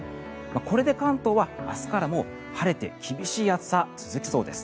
これで関東は明日からも晴れて厳しい暑さが続きそうです。